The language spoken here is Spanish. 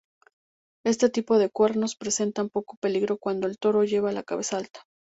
Este tipo de cuernos presentan poco peligro cuando el toro lleva la cabeza alta.